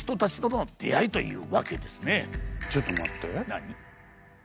何？